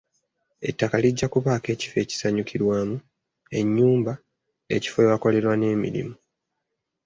Ettaka lijja kubaako ekifo ekisanyukirwamu, ennyumba, ekifo awakolerwa n'emirimu.